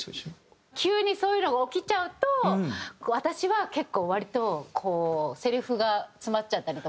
急にそういうのが起きちゃうと私は結構割とセリフが詰まっちゃったりとか。